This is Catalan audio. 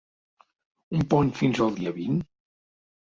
Un pont fins el dia vint?